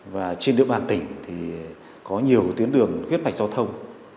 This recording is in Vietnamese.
và trên địa bàn tỉnh có nhiều tuyến đường khuyết mạch giao thông